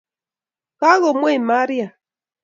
Kagomwei Maria